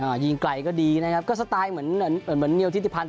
อ่ายิงไกลก็ดีนะครับก็สไตล์เหมือนเนียวธิติพันธ์